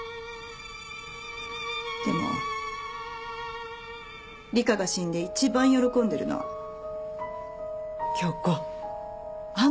でも里香が死んで一番喜んでるのは杏子あんたじゃないの